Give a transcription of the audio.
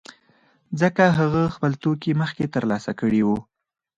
ځکه هغه خپل توکي مخکې ترلاسه کړي وو